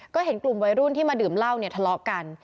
ก็เห็นกลุ่มวัยรุ่นที่มาดื่มเหล้าเนี่ยทะเลาะกัน